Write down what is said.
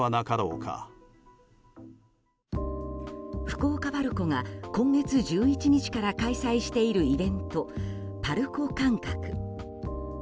福岡パルコが今月１１日から開催しているイベント、「パルコ感覚」。